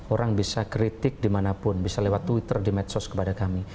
orang bisa kritik dimanapun bisa lewat twitter di medsos kepada kami